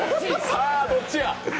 さあ、どっちや！？